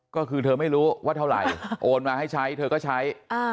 ก็คือเธอไม่รู้ว่าเท่าไหร่โอนมาให้ใช้เธอก็ใช้